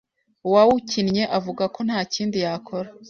uwawukinnye avuga ko nta kindi yakora